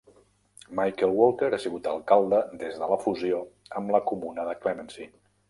Michel Wolter ha sigut alcalde des de la fusió amb la comuna de Clemency.